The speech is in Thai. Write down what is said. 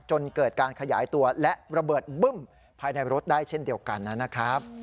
จนเกิดการขยายตัวและระเบิดบึ้มภายในรถได้เช่นเดียวกันนะครับ